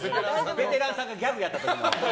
ベテランさんがギャグやった時のやつ。